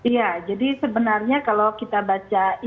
iya jadi sebenarnya kalau kita baca